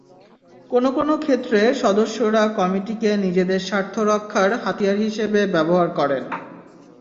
কোনো কোনো ক্ষেত্রে সদস্যরা কমিটিকে নিজেদের স্বার্থরক্ষার হাতিয়ার হিসেবে ব্যবহার করেন।